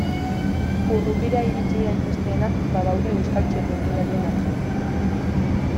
Urrutira iritsi daitezkeenak badaude Euskal txirrindularien artean.